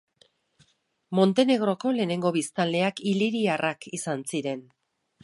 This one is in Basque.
Montenegroko lehenengo biztanleak iliriarrak izan ziren.